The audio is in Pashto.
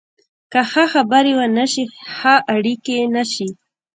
که ښه خبرې ونه شي، ښه اړیکې نشي